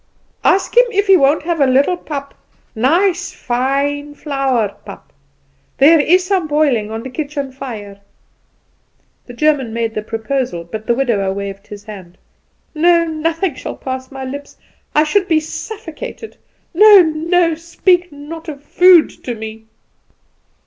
"Ask him if he won't have a little pap nice, fine, flour pap. There is some boiling on the kitchen fire." The German made the proposal, but the widower waved his hand. "No, nothing shall pass my lips. I should be suffocated. No, no! Speak not of food to me!"